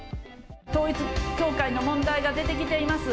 統一教会の問題が出てきています。